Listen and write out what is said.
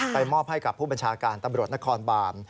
มอบให้กับผู้บัญชาการตำรวจนครบาน